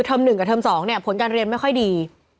๑กับเทอม๒เนี่ยผลการเรียนไม่ค่อยดี